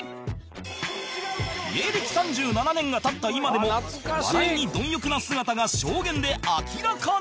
芸歴３７年が経った今でも笑いに貪欲な姿が証言で明らかに！